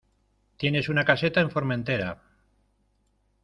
Tienen una caseta en Formentera.